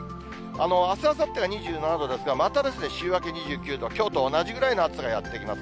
あす、あさっては２７度ですが、また週明け２９度、きょうと同じぐらいの暑さがやって来ます。